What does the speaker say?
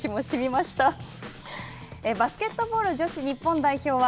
続いてはバスケットボール女子日本代表です。